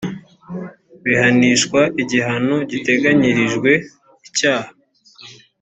bihanishwa igihano giteganyirijwe icyaha